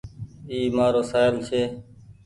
اي مآرو سآهيل ڇي